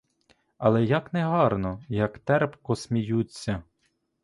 Але як негарно, як терпко сміються!